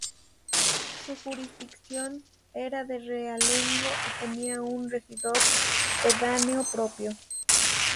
Su jurisdicción era de realengo y tenía un regidor pedáneo propio.